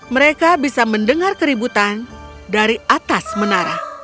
mereka bisa mendengar keributan dari atas menara